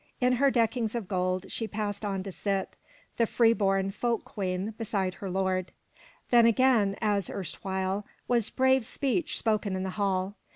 In her deckings of gold, she passed on to sit, the free born folk queen, beside her lord. Then again, as erstwhile, was brave speech spoken in the hall.